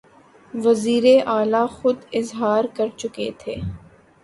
وزیراعلیٰ خود اظہار کرچکے تھے